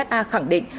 ocha khẳng định